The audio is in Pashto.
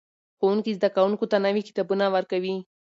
ښوونکي زده کوونکو ته نوي کتابونه ورکوي.